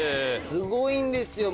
すごいんですよ。